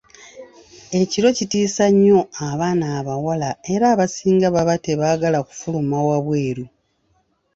Ekiro kitiisa nnyo abaana abawala era abasinga baba tebaagala kufuluma wabweru.